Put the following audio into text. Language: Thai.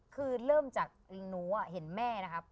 คือเริ่มจากหนูเห็นแม่นะครับ